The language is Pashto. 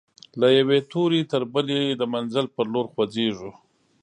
له یوې توري تر بلي د منزل پر لور خوځيږو